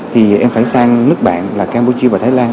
thì em phải sang nước bạn là campuchia và thái lan